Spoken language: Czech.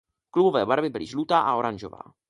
Klubové barvy byly žlutá a oranžová.